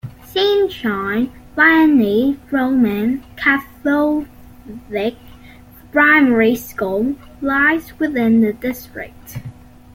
Saint John Vianney Roman Catholic Primary School lies within the district.